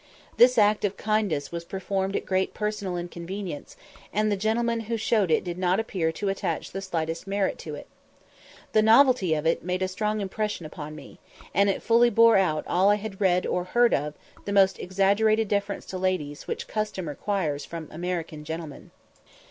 This act of kindness was performed at great personal inconvenience, and the gentleman who showed it did not appear to attach the slightest merit to it The novelty of it made a strong impression upon me, and it fully bore out all that I had read or heard of the almost exaggerated deference to ladies which custom requires from American gentlemen.